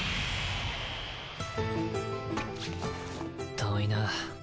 遠いな。